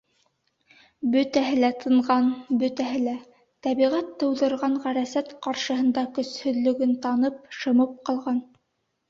Бөтәһе лә тынған, бөтәһе лә, Тәбиғәт тыуҙырған ғәрәсәт ҡаршыһында көсһөҙлөгөн танып, шымып ҡалған.